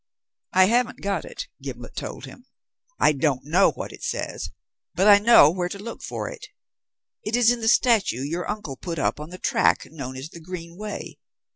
"I haven't got it," Gimblet told him. "I don't know what it says, but I know where to look for it. It is in the statue your uncle put up on the track known as the Green Way.